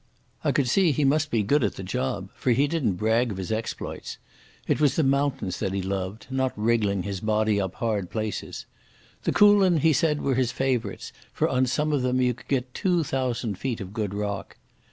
I could see he must be good at the job, for he didn't brag of his exploits. It was the mountains that he loved, not wriggling his body up hard places. The Coolin, he said, were his favourites, for on some of them you could get two thousand feet of good rock.